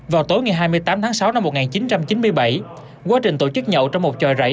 vào tối ngày hai mươi tám tháng sáu năm một nghìn chín trăm chín mươi bảy quá trình tổ chức nhậu trong một tròi rẫy